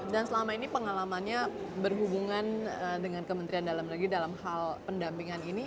dan selama ini pengalamannya berhubungan dengan kementerian dalam negeri dalam hal pendampingan ini